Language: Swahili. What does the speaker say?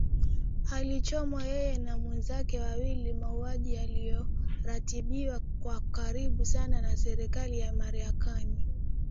Alichomwa yeye na wenzake wawili Mauaji yaliyoratibiwa kwa karibu sana na Serikali ya Marekani